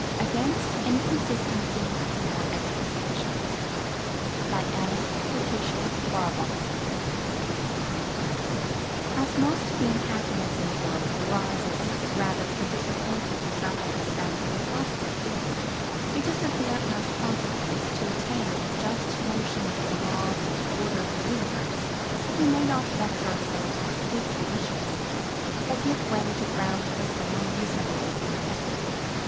AGAINST INCONSISTENCY IN OUR EXPECTATIONS As most of the unhappiness in the world arises rather from disappointed desires than from positive evil, it is of the utmost consequence to attain just notions of the laws and order of the universe, that we may not vex ourselves with fruitless wishes, or give way to groundless and unreasonable discontent.